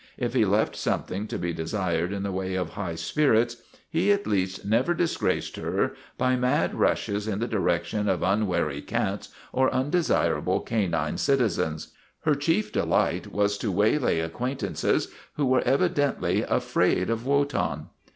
If he left something to be desired in the way of high spirits, he at least never disgraced her by mad rushes in the direction of unwary cats or undesirable canine citi zens. Her chief delight was to waylay acquaint ances who were evidently afraid of Wotan.